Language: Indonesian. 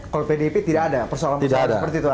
kalau pdip tidak ada persoalan persoalan seperti itu